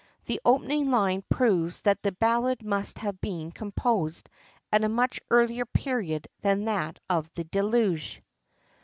The opening line proves that the Ballad must have been composed at a much earlier period than that of the deluge.